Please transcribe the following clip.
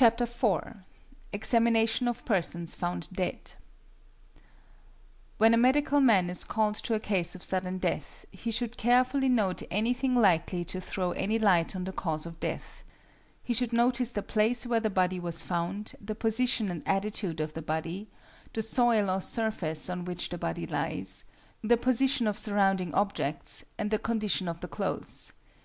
IV. EXAMINATION OF PERSONS FOUND DEAD When a medical man is called to a case of sudden death, he should carefully note anything likely to throw any light on the cause of death. He should notice the place where the body was found, the position and attitude of the body, the soil or surface on which the body lies, the position of surrounding objects, and the condition of the clothes.